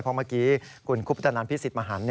เพราะเมื่อกี้คุณคุปตนันพิสิทธิมหัน